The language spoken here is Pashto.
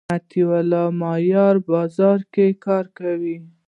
مطیع الله مایار بازار کی کار کا